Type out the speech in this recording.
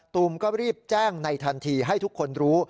ตูมก็รีบแจ้งในทันทีให้ทุกคนรู้